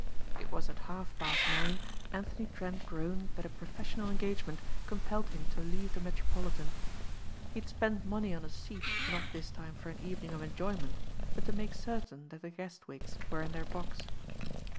It was at half past nine Anthony Trent groaned that a professional engagement compelled him to leave the Metropolitan. He had spent money on a seat not this time for an evening of enjoyment, but to make certain that the Guestwicks were in their box.